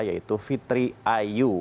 yaitu fitri ayu